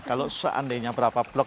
kalau seandainya berapa blok